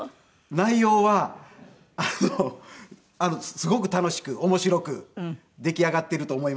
内容はあのすごく楽しく面白く出来上がっていると思います。